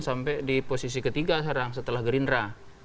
sampai di posisi ketiga sekarang setelah gerindra